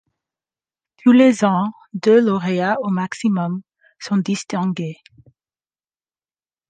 Tous les ans, deux lauréats au maximum sont distingués.